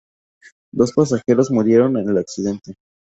Dos pasajeros murieron en el accidente.